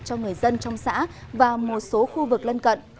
cho người dân trong xã và một số khu vực lân cận